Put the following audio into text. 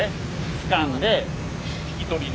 つかんで引き取りに？